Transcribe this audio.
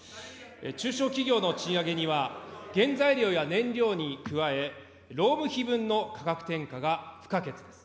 中小企業の賃上げには、原材料や燃料に加え、労務費分の価格転嫁が不可欠です。